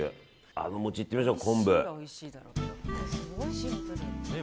あの餅いってみましょう。